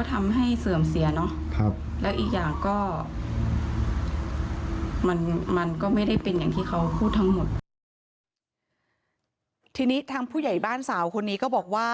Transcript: ทีนี้ทางผู้ใหญ่บ้านสาวคนนี้ก็บอกว่า